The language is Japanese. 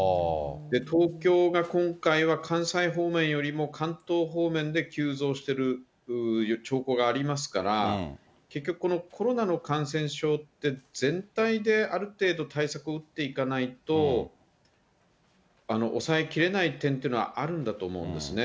東京が今回は関西方面よりも関東方面で急増してる兆候がありますから、結局、コロナの感染症って全体である程度対策を打っていかないと、抑えきれない点というのはあるんだと思いますね。